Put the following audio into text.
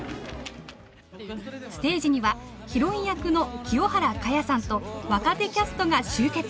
ステージにはヒロイン役の清原果耶さんと若手キャストが集結。